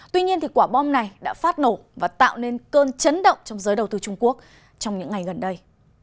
tuy nhiên quả bom này đã phát nổ và tạo nên cơn chấn động trong giới đầu tư trung quốc trong những ngày gần đây